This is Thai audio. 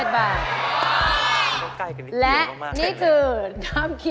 ๘๑บาท